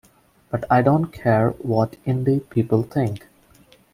But I don't care what 'indie people' think.